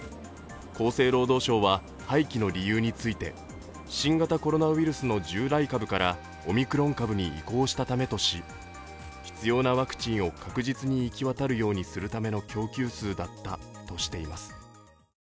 厚生労働省は廃棄の理由について新型コロナウイルスの従来株からオミクロン株に移行したためとし、必要なワクチンを確実に行き渡るようにするための供給数だったとしています。